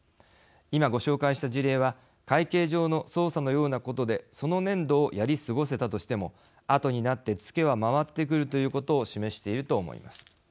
今ご紹介した事例は会計上の操作のようなことでその年度をやり過ごせたとしても後になってツケはまわってくるということを示していると思います。